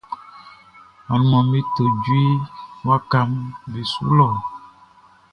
Anumanʼm be to djue wakaʼm be su lɔ.